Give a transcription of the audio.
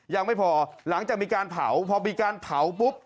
ยังไม่พอหลังจากมีการเผาพอมีการเผาปุ๊บ